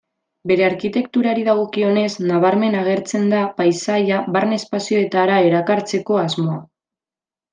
Bere arkitekturari dagokionez, nabarmen agertzen da paisaia barne-espazioetara erakartzeko asmoa.